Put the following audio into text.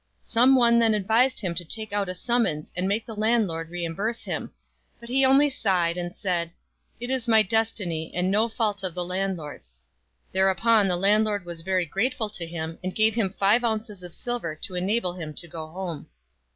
Some one then advised him to take out a summons and make the landlord reimburse him ; but he only sighed, and said, " It is my destiny, and no fault of the landlord's." Thereupon the landlord was very grateful to him, and gave him five ounces of silver to enable him to go home.